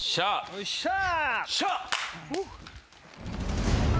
よっしゃー！